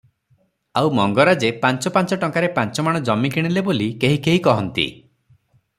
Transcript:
ଆଉ ମଙ୍ଗରାଜେ ପାଞ୍ଚ ପାଞ୍ଚ ଟଙ୍କାରେ ପାଞ୍ଚମାଣ ଜମି କିଣିଲେ ବୋଲି କେହିକେହି କହନ୍ତି ।